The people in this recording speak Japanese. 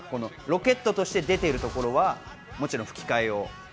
ロケットとして出ているところはもちろん吹き替えを。